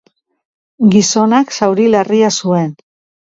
Gizonak zauri larria zuen.